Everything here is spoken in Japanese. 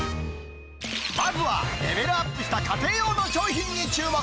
まずはレベルアップした家庭用の商品に注目。